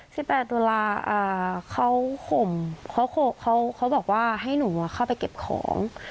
สิบแปดตุลาเขาข่มเขาบอกว่าให้หนูเข้าไปเก็บของ